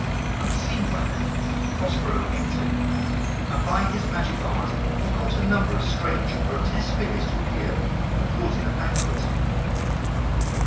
Unseen by them, Prospero entered, and by his magic art he caused a number of strange and grotesque figures to appear, who brought in a banquet.